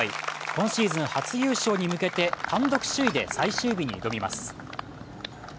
今シーズン初優勝に向けて単独首位で最終日に挑みます。